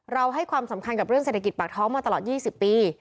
ให้ความสำคัญกับเรื่องเศรษฐกิจปากท้องมาตลอด๒๐ปี